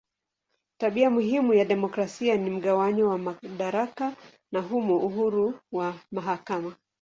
Tabia muhimu ya demokrasia ni mgawanyo wa madaraka na humo uhuru wa mahakama.